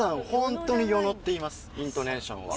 イントネーションは。